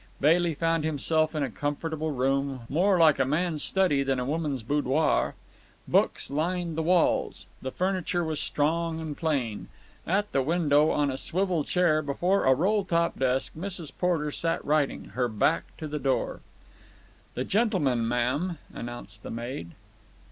Bailey found himself in a comfortable room, more like a man's study than a woman's boudoir. Books lined the walls. The furniture was strong and plain. At the window, on a swivel chair before a roll top desk, Mrs. Porter sat writing, her back to the door. "The gentleman, ma'am," announced the maid.